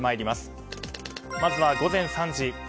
まずは午前３時。